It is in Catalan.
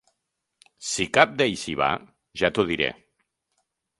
Si cap d'ells hi va, ja t'ho diré.